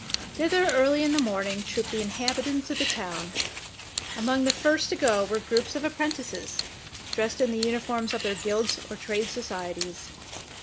Thither early in the morning trooped the inhabitants of the town. Among the first to go were groups of appren tices, dressed in the uniforms of their guilds or trade societies.